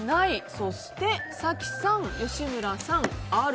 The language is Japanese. そして早紀さん、吉村さんはある。